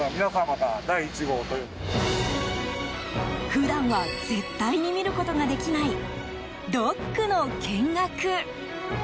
普段は絶対に見ることができないドックの見学。